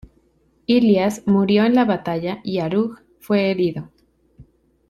Ilias murió en la batalla y Aruj fue herido.